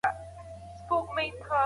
غچ اخیستل د انسان روح نشه کوي.